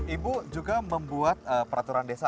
ibu juga membuat peraturan desa